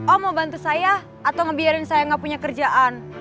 oh mau bantu saya atau ngebiarin saya gak punya kerjaan